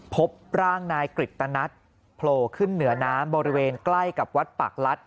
พบร่างนายกฤตนัทโผล่ขึ้นเหนือน้ำบริเวณใกล้กับวัดปากลัด